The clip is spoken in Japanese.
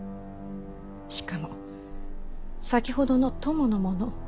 しかも先ほどの供の者